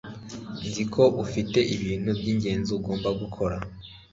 Nzi ko ufite ibintu byingenzi ugomba gukora